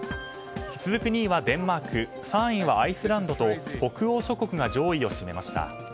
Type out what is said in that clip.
続く２位はデンマーク３位はアイスランドと北欧諸国が上位を占めました。